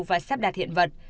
và sắp đạt hiện vật